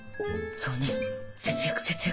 そうね節約節約。